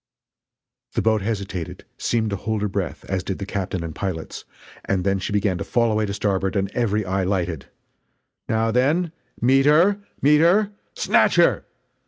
The boat hesitated seemed to hold her breath, as did the captain and pilots and then she began to fall away to starboard and every eye lighted: "Now then! meet her! meet her! Snatch her!"